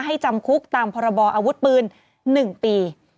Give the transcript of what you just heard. จำคุกตามพรบออาวุธปืน๑ปี